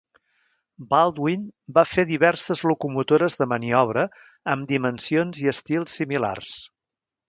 Baldwin va fer diverses locomotores de maniobra amb dimensions i estils similars.